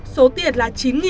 số tiền là